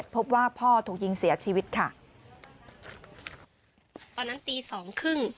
พบว่าพ่อถูกยิงเสียชีวิตค่ะตอนนั้นตีสองครึ่ง